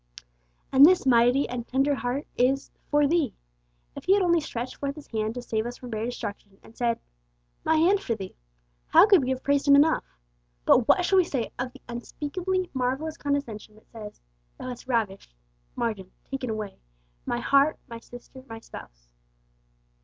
And this mighty and tender heart is 'for thee!' If He had only stretched forth His hand to save us from bare destruction, and said, 'My hand for thee!' how could we have praised Him enough? But what shall we say of the unspeakably marvellous condescension which says, 'Thou hast ravished (margin, taken away) my heart, my sister, my spouse!'